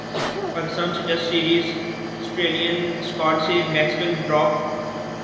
پاکستان سے test series Australian squad سے Maxwell drop